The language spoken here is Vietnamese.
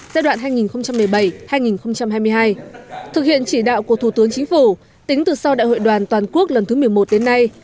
giai đoạn hai nghìn một mươi bảy hai nghìn hai mươi hai thực hiện chỉ đạo của thủ tướng chính phủ tính từ sau đại hội đoàn toàn quốc lần thứ một mươi một đến nay